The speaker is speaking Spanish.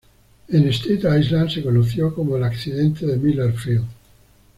En Staten Island, se conoció como el accidente de Miller Field.